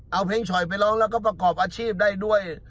เอาเพลงฉ่อยไปร้องแล้วก็ประกอบอาชีพได้ด้วย